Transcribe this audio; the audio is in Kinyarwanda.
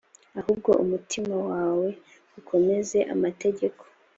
ahubwo umutima wawe ukomeze amategeko